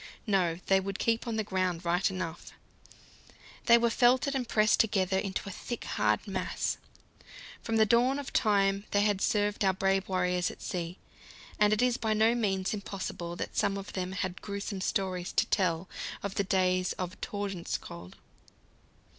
No, they would keep on the ground right enough; they were felted and pressed together into a thick, hard mass. From the dawn of time they had served our brave warriors at sea, and it is by no means impossible that some of them had gruesome stories to tell of the days of Tordenskjold.